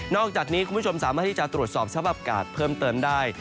อกจากนี้คุณผู้ชมสามารถที่จะตรวจสอบสภาพอากาศเพิ่มเติมได้